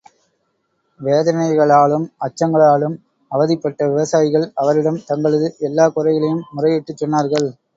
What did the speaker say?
வேதனைகளாலும், அச்சங்களாலும் அவதிப்பட்ட விவசாயிகள் அவரிடம் தங்களது எல்லாக் குறைகளையும் முறையிட்டுச் சொன்னார்கள்.